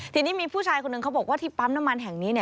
ทีนี้มีผู้ชายคนหนึ่งเขาบอกว่าที่ปั๊มน้ำมันแห่งนี้